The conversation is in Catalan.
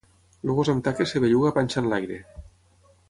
El gos amb taques es belluga panxa enlaire.